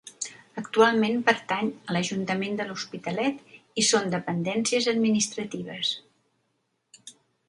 Actualment pertany a l'Ajuntament de l'Hospitalet i són dependències administratives.